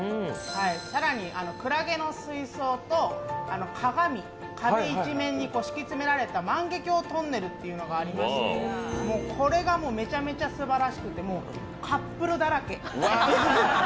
更にくらげの水槽と鏡、壁一面に敷き詰められた万華鏡トンネルがありましてこれがもうめちゃめちゃすばらしくてカップルだらけ。